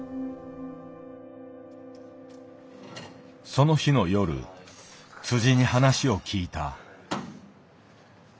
その日の夜に話を聞いた。